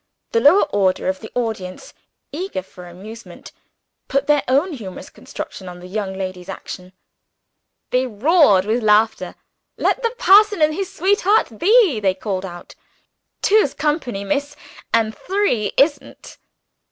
The lower order of the audience, eager for amusement, put their own humorous construction on the young lady's action. They roared with laughter. "Let the parson and his sweetheart be," they called out; "two's company, miss, and three isn't."